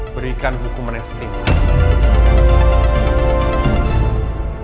berikan hukuman yang setingguh